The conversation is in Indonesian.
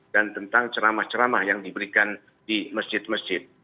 dan tentang ceramah ceramah yang diberikan di masjid masjid